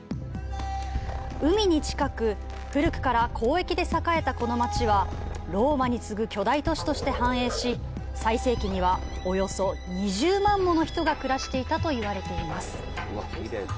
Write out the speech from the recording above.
海に近く、古くから交易で栄えたこの街はローマに次ぐ巨大都市として繁栄し、最盛期には、およそ２０万もの人が暮らしていたと言われています。